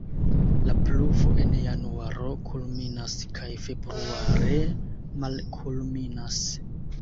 La pluvo en januaro kulminas kaj februare malkulminas.